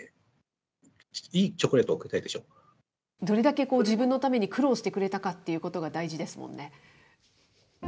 どれだけ自分のために苦労してくれたかっていうのが大事ですもんね。